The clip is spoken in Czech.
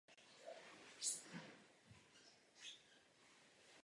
Těch bylo několik druhů a byly zaměřeny na detekci částic různých velikostí a energií.